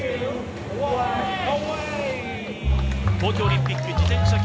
東京オリンピック自転車競技ロード。